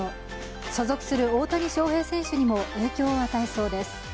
所属する大谷翔平選手にも影響を与えそうです。